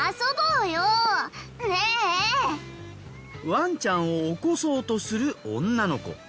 ワンちゃんを起こそうとする女の子。